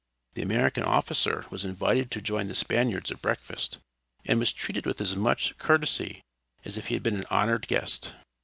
The American officer was invited to join the Spaniards at breakfast, and was treated with as much courtesy as if he had been an honored guest.